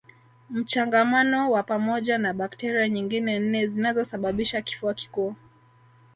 Mchangamano wa pamoja na bakteria nyingine nne zinazosababisha kifua kikuu